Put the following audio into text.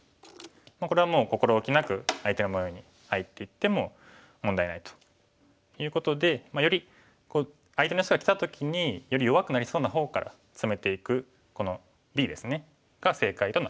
これはもう心おきなく相手の模様に入っていっても問題ないということで相手の石がきた時により弱くなりそうな方からツメていくこのＢですねが正解となります。